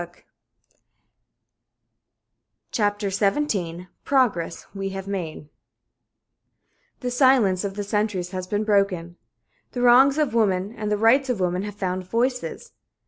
1] CHAPTER XVII PROGRESS WE HAVE MADE The silence of the centuries has been broken. The wrongs of woman and the rights of woman have found voices.